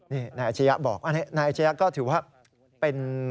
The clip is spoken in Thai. นี่นายอาชียะบอกนายอาชียะก็ถือว่าเป็น